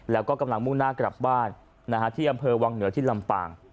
แล้วก็กำลังมุ่งหน้ากลับบ้านที่อำเภอวังเหนือที่ลำปาง